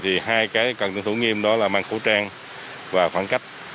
hai cái cần thủ nghiêm đó là mang khẩu trang và khoảng cách